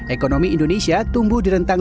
ekonomi indonesia tumbuh di rentang